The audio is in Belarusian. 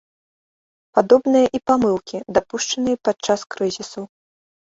Падобныя і памылкі, дапушчаныя падчас крызісаў.